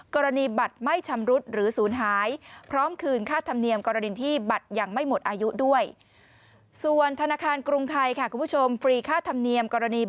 กรณีบัตรไม่ชำรุดหรือสูญหาย